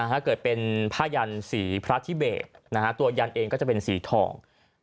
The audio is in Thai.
ถ้าเกิดเป็นผ้ายันสีพระทิเบกตัวยันเองก็จะเป็นสีทอง